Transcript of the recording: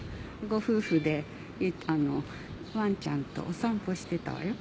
ご夫婦でわんちゃんとお散歩してたわよ。